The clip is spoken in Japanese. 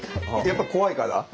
やっぱ怖いから？